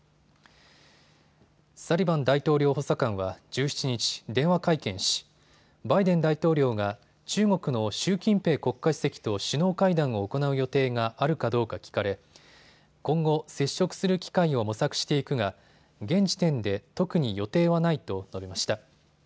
サリバン大統領補佐官は１７日、電話会見しバイデン大統領が中国の習近平国家主席と首脳会談を行う予定があるかどうか聞かれ今後、接触する機会を模索していくが現時点で特に予定はないと述べました。